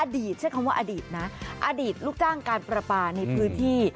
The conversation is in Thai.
ใช้คำว่าอดีตนะอดีตลูกจ้างการประปาในพื้นที่